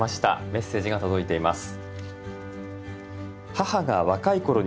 メッセージが届いています。